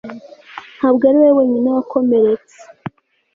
Ntabwo ari wowe wenyine wakomeretse